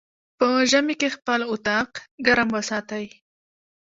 په ژمی کی خپل اطاق ګرم وساتی